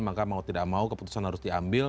maka mau tidak mau keputusan harus diambil